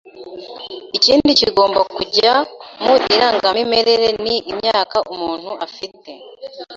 Ikindi kigomba kujya mu irangamimerere ni imyaka umuntu afite